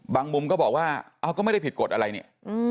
มุมก็บอกว่าเอาก็ไม่ได้ผิดกฎอะไรเนี่ย